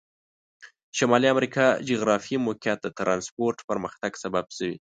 شمالي امریکا جغرافیایي موقعیت د ترانسپورت پرمختګ سبب شوي.